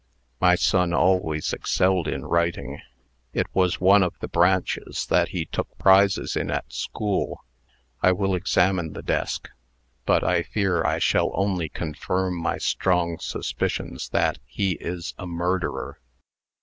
"My son always excelled in writing. It was one of the branches that he took prizes in at school. I will examine the desk; but I fear I shall only confirm my strong suspicions that he is a murderer.